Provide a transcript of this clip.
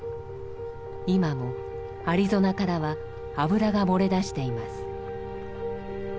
今もアリゾナからは油が漏れ出しています。